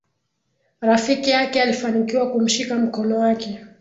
rafiki yake alifanikiwa kumshika mkono wake